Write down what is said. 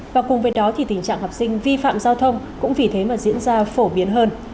và cùng với đó thì tình trạng học sinh vi phạm giao thông cũng vì thế mà diễn ra phổ biến hơn